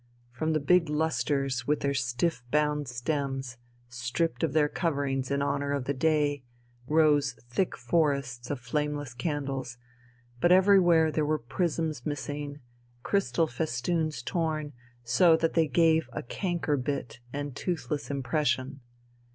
From the big lustres with their stiff bound stems, stripped of their coverings in honour of the day, rose thick forests of flameless candles, but everywhere there were prisms missing, crystal festoons torn, so that they gave a canker bit and toothless impression.